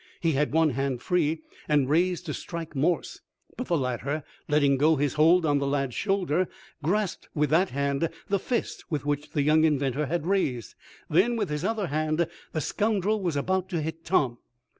He had one hand free, and raised to strike Morse, but the latter, letting go his hold on the lad's shoulder, grasped with that hand, the fist which the young inventor had raised. Then, with his other hand, the scoundrel was about to hit Tom.